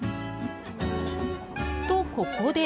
と、ここで。